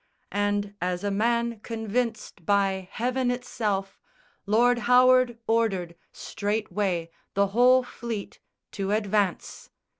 And as a man convinced by heaven itself Lord Howard ordered, straightway, the whole fleet To advance.